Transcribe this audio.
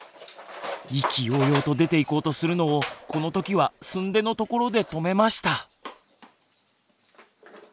意気揚々と出て行こうとするのをこの時はすんでのところで止めました。